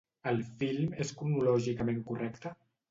El film és cronològicament correcte?